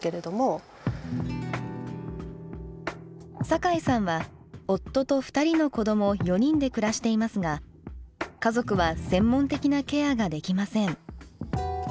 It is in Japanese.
酒井さんは夫と２人の子ども４人で暮らしていますが家族は専門的なケアができません。